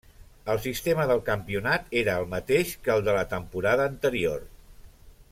El sistema del campionat era el mateix que el de la temporada anterior.